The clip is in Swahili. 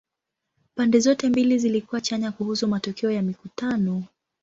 Pande zote mbili zilikuwa chanya kuhusu matokeo ya mikutano.